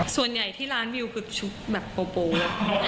ส่วนใหญ่ที่ร้านวิวคือชุดแบบโปเลย